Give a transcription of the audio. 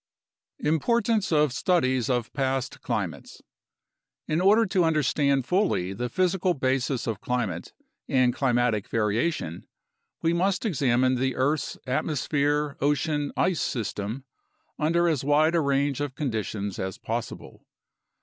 IMPORTANCE OF STUDIES OF PAST CLIMATES In order to understand fully the physical basis of climate and climatic variation, we must examine the earth's atmosphere ocean ice system under as wide a range of conditions as possible.